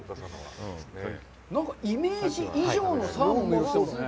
なんかイメージ以上のサーモンの色をしていますね。